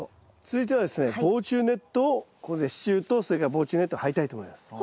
続いてはですね防虫ネットをここで支柱とそれから防虫ネットを張りたいと思います。